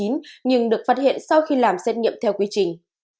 nhưng được phát hiện sau khi làm xét nghiệm theo quy trình